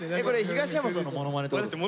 東山さんのモノマネとかって。